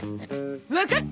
わかった！